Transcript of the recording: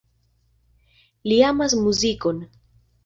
Li amas muzikon.